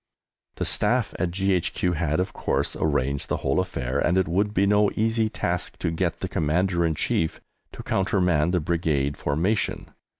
The Staff at G.H.Q. had, of course, arranged the whole affair, and it would be no easy task to get the Commander in Chief to countermand the Brigade formation.